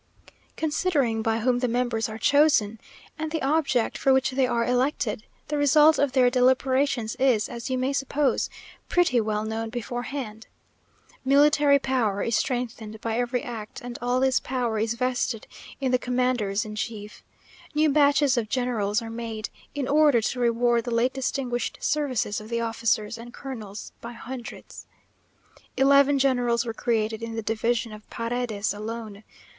Considering by whom the members are chosen, and the object for which they are elected, the result of their deliberations is, as you may suppose, pretty well known beforehand. Military power is strengthened by every act, and all this power is vested in the commanders in chief. New batches of generals are made, in order to reward the late distinguished services of the officers, and colonels by hundreds. Eleven generals were created in the division of Paredes alone.